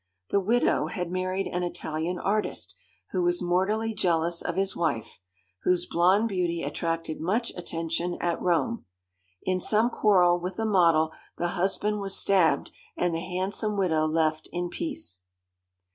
The widow had married an Italian artist, who was mortally jealous of his wife, whose blonde beauty attracted much attention at Rome. In some quarrel with a model the husband was stabbed, and the handsome widow left in peace.